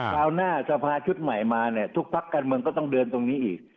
คราวหน้าสภาชุดใหม่มาเนี่ยทุกพักการเมืองก็ต้องเดินตรงนี้อีก